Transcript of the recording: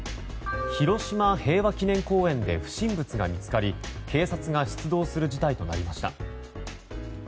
広島平和記念公園で不審物が見つかり警察が出動する事態となりました。